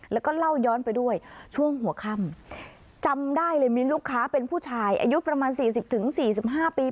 แล้วก็เล่าย้อนไปด้วยช่วงหัวค่ำจำได้เลยมีลูกค้าเป็นผู้ชายอายุประมาณสี่สิบถึงสี่สิบห้าปี